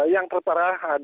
yang terperah adalah tiga orang